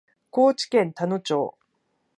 高知県田野町